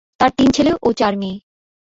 তার তিন ছেলে ও চার মেয়ে।